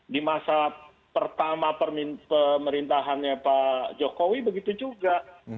di masa pertama pemerintahannya pak jokowi begitu juga